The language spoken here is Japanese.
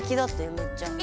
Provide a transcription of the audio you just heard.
めっちゃ。